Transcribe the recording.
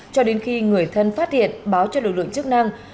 cho đến khi người thân phát hiện báo cho lực lượng chức năng